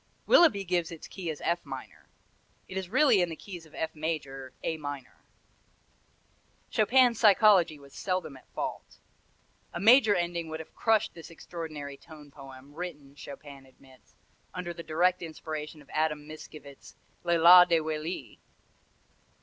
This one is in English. Willeby gives its key as F minor. It is really in the keys of F major A minor. Chopin's psychology was seldom at fault. A major ending would have crushed this extraordinary tone poem, written, Chopin admits, under the direct inspiration of Adam Mickiewicz's "Le Lac de Willis."